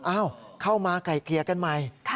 เข้ามาไกลเกลี่ยกันใหม่